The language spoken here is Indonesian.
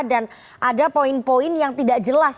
ada poin poin yang tidak jelas